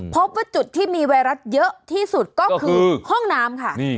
พบว่าจุดที่มีไวรัสเยอะที่สุดก็คือห้องน้ำค่ะ